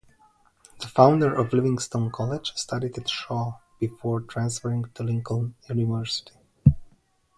The founder of Livingstone College studied at Shaw, before transferring to Lincoln University.